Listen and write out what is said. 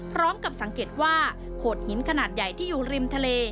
พร้อมกับสังเกตว่าโขดหินขนาดใหญ่ที่อยู่ริมทะเล